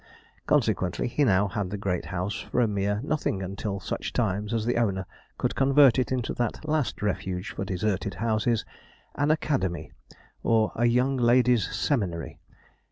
Consequently, he now had the great house for a mere nothing until such times as the owner could convert it into that last refuge for deserted houses an academy, or a 'young ladies' seminary.'